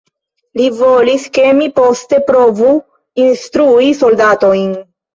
Li volis, ke mi poste provu instrui soldatojn.